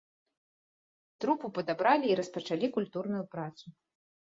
Трупу падабралі і распачалі культурную працу.